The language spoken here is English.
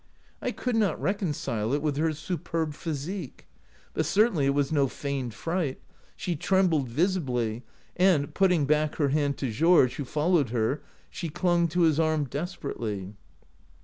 I could not reconcile it with her superb physique. But certainly it was no feigned fright; she trembled visibly, and, putting back her hand to Georges', who followed her, she clung to his arm desperately.